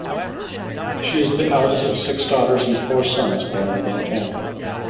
She is the eldest of six daughters and four sons born to that family.